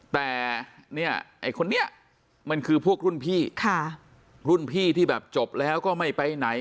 แต่เนี่ยไอ้คนนี้มันคือพวกรุ่นพี่ค่ะรุ่นพี่ที่แบบจบแล้วก็ไม่ไปไหน